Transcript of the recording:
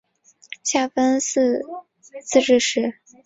下分四自治市。